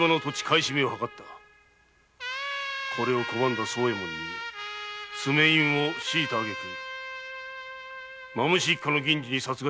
これを拒んだ惣右衛門に爪印を強いたあげく蝮一家の銀次に殺害させた。